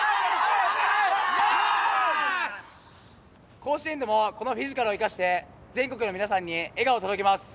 甲子園でもこのフィジカルを生かして全国の皆さんに笑顔を届けます。